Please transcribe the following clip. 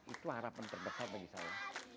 itu harapan terbesar bagi saya